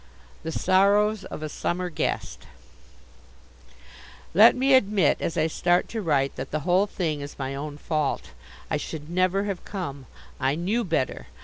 The Sorrows of a Summer Guest Let me admit, as I start to write, that the whole thing is my own fault. I should never have come. I knew better.